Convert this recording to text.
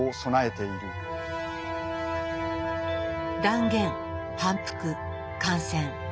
断言反復感染。